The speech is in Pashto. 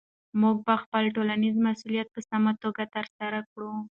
موږ به خپل ټولنیز مسؤلیت په سمه توګه ترسره کړو.